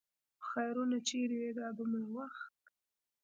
پخيرونو! چېرې وې دا دومره وخت؟